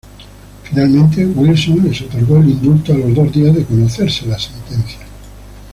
Finalmente, Wilson les otorgó el indulto a los dos días de conocerse la sentencia.